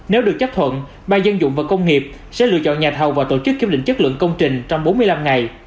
nếu được chấp thuận ban dân dụng và công nghiệp sẽ lựa chọn nhà thầu và tổ chức kiểm định chất lượng công trình trong bốn mươi năm ngày